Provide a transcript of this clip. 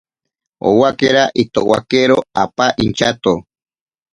Owakera itowakero apa inchato.